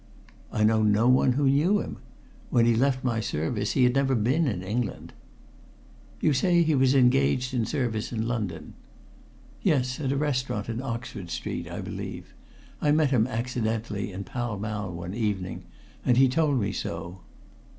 "I know no one who knew him. When he left my service he had never been in England." "You say he was engaged in service in London?" "Yes, at a restaurant in Oxford Street, I believe. I met him accidentally in Pall Mall one evening, and he told me so."